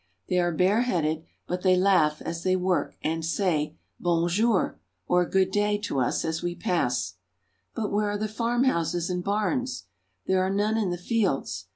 They are bareheaded, but they laugh as they work, and say :" Bon jour " (boN zhoor) or "good day," to us as we pass. But where are the farmhouses and barns? There are none in the fields.